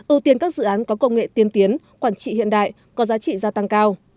ưu tiên các dự án có công nghệ tiên tiến quản trị hiện đại có giá trị gia tăng cao